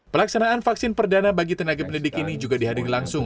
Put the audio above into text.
pelaksanaan vaksin perdana bagi tenaga pendidik ini juga dihadiri langsung